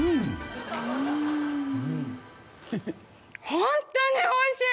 本当においしい！